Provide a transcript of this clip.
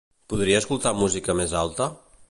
Podria escoltar la música més alta?